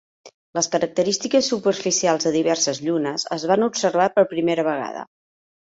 Les característiques superficials de diverses llunes es van observar per primera vegada.